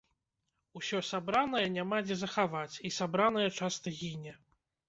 Усё сабранае няма дзе захаваць, і сабранае часта гіне.